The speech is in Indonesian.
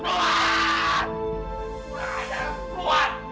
tidak ada keluar